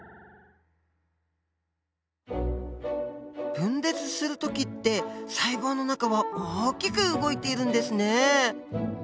分裂する時って細胞の中は大きく動いているんですね。